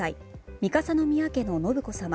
三笠宮家の信子さま